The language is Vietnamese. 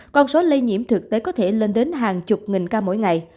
con số lây nhiễm thực tế có thể lên đến hàng chục nghìn ca mỗi ngày